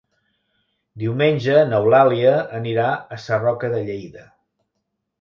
Diumenge n'Eulàlia anirà a Sarroca de Lleida.